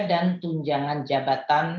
dan tunjangan jabatan